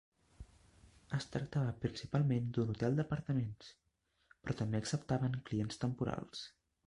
Es tractava principalment d'un hotel d'apartaments, però també acceptaven clients temporals.